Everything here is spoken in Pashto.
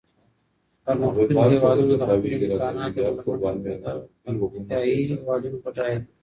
پرمختللي هيوادونه د خپلو امکاناتو له مخې له پرمختيايي هيوادونو بډايه دي.